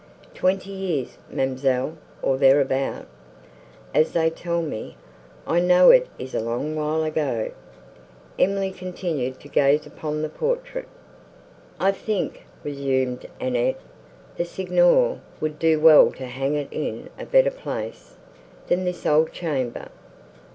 "Twenty years, ma'amselle, or thereabout, as they tell me; I know it is a long while ago." Emily continued to gaze upon the portrait. "I think," resumed Annette, "the Signor would do well to hang it in a better place, than this old chamber.